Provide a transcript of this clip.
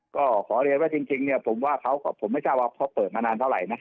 ก็ขอเรียนว่าจริงเนี่ยผมว่าเขากับผมไม่ทราบว่าเขาเปิดมานานเท่าไหร่นะ